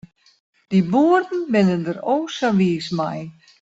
Dy boeren binne der o sa wiis mei.